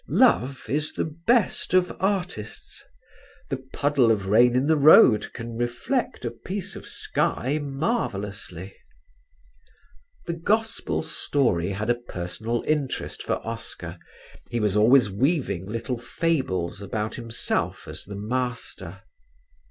Love is the best of artists; the puddle of rain in the road can reflect a piece of sky marvellously. The Gospel story had a personal interest for Oscar; he was always weaving little fables about himself as the Master.